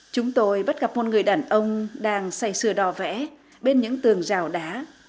chúng tôi bắt gặp một người đàn ông đang xây sửa đò vẽ bên những tường rào đá